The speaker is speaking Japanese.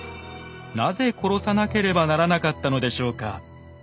なぜ殺さなければならなかったのでしょうか。